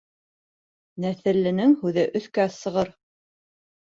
Нәҫелленең һүҙе өҫкә сығыр.